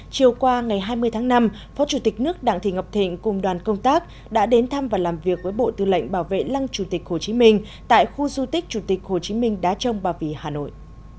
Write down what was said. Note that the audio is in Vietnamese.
chiều qua ngày hai mươi tháng năm phó chủ tịch nước đặng thị ngọc thịnh cùng đoàn công tác đã đến thăm và làm việc với bộ tư lệnh bảo vệ lăng chủ tịch hồ chí minh tại khu du tích chủ tịch hồ chí minh đá trông bà vĩ hà nội